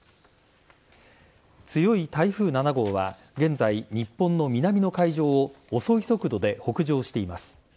強い台風７号は現在、日本の南の海上を遅い速度で北上しています。